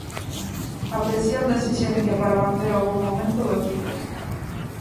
A presión da esixencia para manter o bo momento do equipo.